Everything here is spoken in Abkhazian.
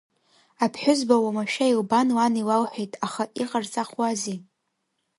Аԥҳәызба уамашәа илбан лан илалҳәеит, аха иҟарҵахуази.